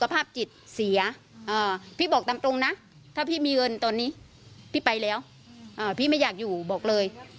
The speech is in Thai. ภาพจิตเสียพี่บอกตามตรงนะถ้าพี่มีเงินตอนนี้พี่ไปแล้วพี่ไม่อยากอยู่บอกเลย